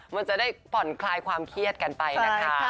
มันจะได้ผ่อนคลายความเครียดกันไปนะคะ